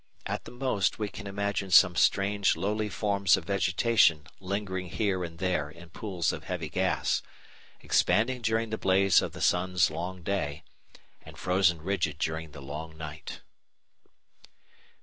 At the most we can imagine some strange lowly forms of vegetation lingering here and there in pools of heavy gas, expanding during the blaze of the sun's long day, and frozen rigid during the long night.